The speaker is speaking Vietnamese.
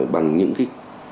bằng những cái